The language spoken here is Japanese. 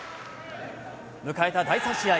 迎えた第３試合。